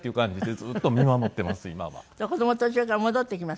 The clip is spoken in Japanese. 子供途中から戻ってきます？